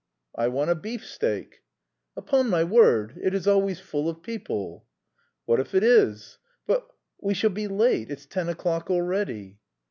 "I want a beefsteak." "Upon my word! It is always full of people." "What if it is?" "But... we shall be late. It's ten o'clock already."